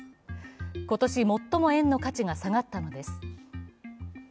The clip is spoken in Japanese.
今年最も円の価値が下がったのです。